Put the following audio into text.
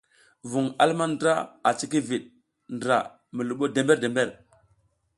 Vuƞ a luma ndra a cikivit ndra mi luɓo dember-dember.